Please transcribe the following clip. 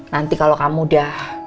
nanti kalau kamu udah